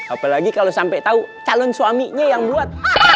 apalagi kalo sampe tau calon suaminya yang buat